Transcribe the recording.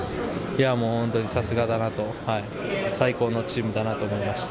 いやもう本当にさすがだなと、最高のチームだなと思いました。